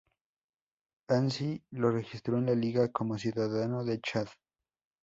Anzhi lo registró en la liga como ciudadano de Chad.